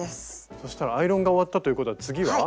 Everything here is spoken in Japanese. そしたらアイロンが終わったということは次は？